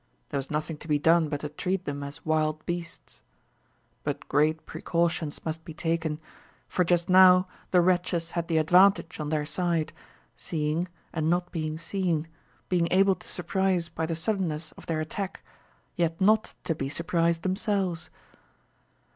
There was nothing to be done but to treat them as wild beasts. But great precautions must be taken, for just now the wretches had the advantage on their side, seeing, and not being seen, being able to surprise by the suddenness of their attack, yet not to be surprised themselves.